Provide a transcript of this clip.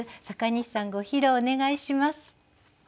阪西さんご披露お願いします。